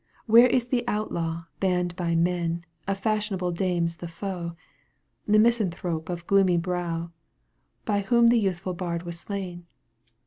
Where is the outlaw, banned by men, Of fashionable dames the foe, The misanthrope of gloomy brow, By whom the youthful bard was slain